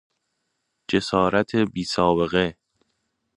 جسارت بیسابقه